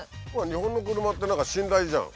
日本の車って何か信頼じゃん。